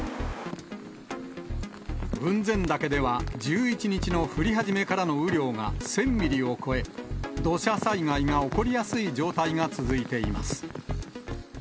雲仙岳では１１日の降り始めからの雨量が１０００ミリを超え、土砂災害が起こりやすい状態が続いています。